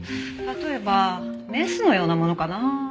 例えばメスのようなものかな？